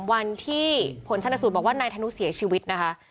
วันที่ผลชนสูตรบอกว่านายธนุเสียชีวิตนะคะ